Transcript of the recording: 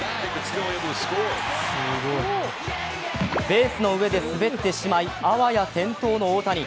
ベースの上で滑ってしまいあわや転倒の大谷。